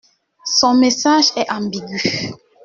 Son message est ambigu.